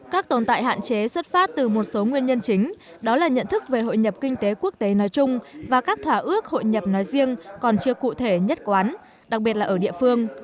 các tồn tại hạn chế xuất phát từ một số nguyên nhân chính đó là nhận thức về hội nhập kinh tế quốc tế nói chung và các thỏa ước hội nhập nói riêng còn chưa cụ thể nhất quán đặc biệt là ở địa phương